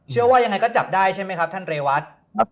ว่ายังไงก็จับได้ใช่ไหมครับท่านเรวัต